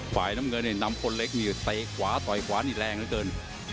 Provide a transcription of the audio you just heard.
ฝ่ายน้ำเงินน้ำพลเล็กมีเตะขวาต่อยขวานี่แรงเยอะเกิน